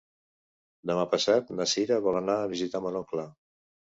Demà passat na Sira vol anar a visitar mon oncle.